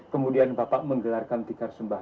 kemudian bapak menggelarkan tikar sembah